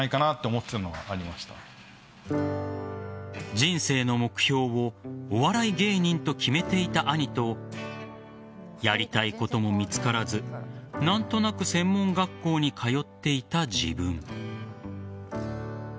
人生の目標をお笑い芸人と決めていた兄とやりたいことも見つからず何となく専門学校に通っていた自分。